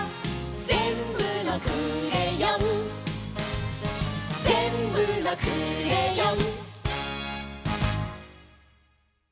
「ぜんぶのクレヨン」「ぜんぶのクレヨン」